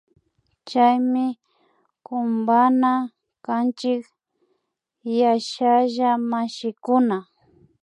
Chaymi kumpana kanchik yashalla mashikuna